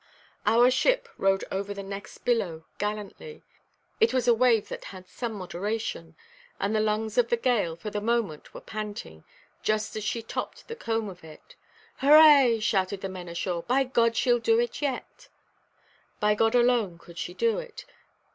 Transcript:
Our ship rode over the next billow gallantly; it was a wave that had some moderation, and the lungs of the gale for the moment were panting, just as she topped the comb of it. "Hurrah!" shouted the men ashore; "By God, sheʼll do it yet!" By God alone could she do it.